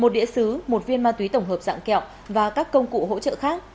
một đĩa xứ một viên ma túy tổng hợp dạng kẹo và các công cụ hỗ trợ khác